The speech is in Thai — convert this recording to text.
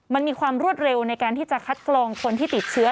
มันมีความรวดเร็วในการที่จะคัดกรองคนที่ติดเชื้อ